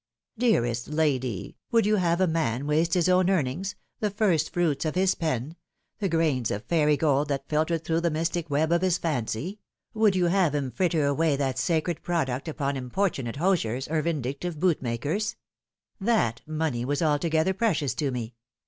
" Dearest lady, would you have a man waste his own earn ings the first fruits of his pen the grains of fairy gold that filtered through the mystic web of his fancy would you have him fritter away that sacred product upon importunate hosiers or vindictive bootmakers ? That money was altogether precious to me.